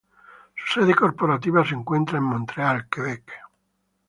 Su sede corporativa se encontraba en Montreal, Quebec.